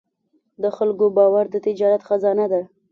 د خلکو باور د تجارت خزانه ده.